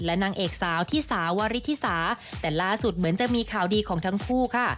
และนางเอกสาวที่สาวริธิสาแต่ล่าสุดเหมือนจะมีข่าวดีของทั้งคู่ค่ะ